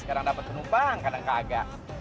kadang dapat penumpang kadang enggak